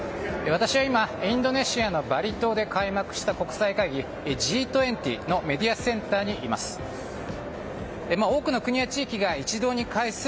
私は今インドネシアのバリ島で開幕した国際会議、Ｇ２０のメディアセンターにいます。